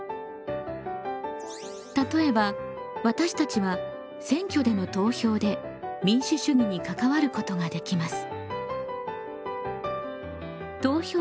例えば私たちは選挙での投票で民主主義に関わることができます。